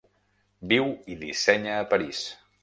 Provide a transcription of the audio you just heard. Viu i dissenya a París.